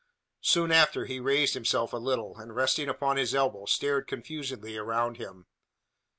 Soon after he raised himself a little; and, resting upon his elbow, stared confusedly around him.